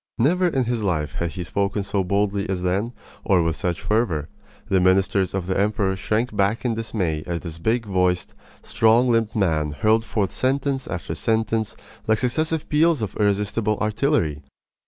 Never in his life had he spoken so boldly as then, or with such fervor. The ministers of the emperor shrank back in dismay as this big voiced, strong limbed man hurled forth sentence after sentence like successive peals of irresistible artillery.